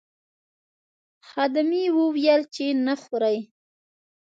خدمې وویل چې نه خورئ.